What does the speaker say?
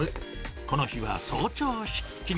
この日は早朝出勤。